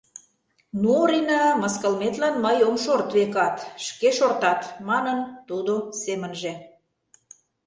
— Ну, Орина, мыскылыметлан мый ом шорт, векат, шке шортат! — манын тудо семынже.